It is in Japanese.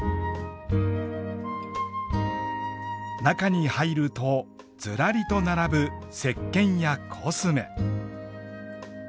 中に入るとずらりと並ぶせっけんやコスメ。